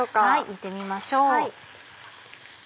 見てみましょう。